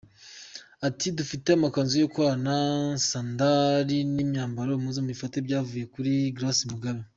Ati “Dufite amakanzu yo kurarana, sandari, n’ imyambaro muze mubifate byavuye kuri Grace Mugabe”.